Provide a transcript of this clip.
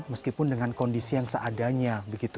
meskipun dengan kondisi yang seadanya